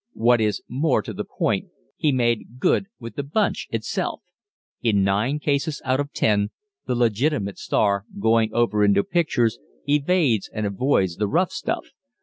What is more to the point, he made good with the "bunch" itself. In nine cases out of ten, the "legitimate" star, going over into pictures, evades and avoids the "rough stuff."